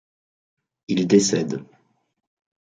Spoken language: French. Il décède.